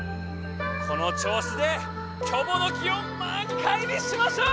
この調子でキョボの木をまんかいにしましょう！